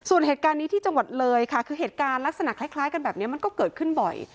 ส่วนเหตุการณ์นี้ที่จังหวัดเลยค่ะคือเหตุการณ์ลักษณะคล้ายกันแบบนี้มันก็เกิดขึ้นบ่อย